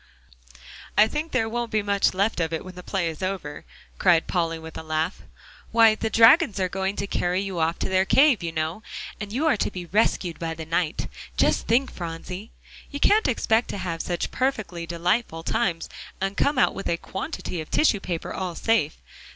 "I think there won't be much left of it when the play is over," cried Polly with a laugh; "why, the dragons are going to carry you off to their cave, you know, and you are to be rescued by the knight, just think, Phronsie! You can't expect to have such perfectly delightful times, and come out with a quantity of tissue paper all safe.